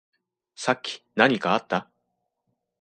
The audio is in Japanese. さっき何かあった？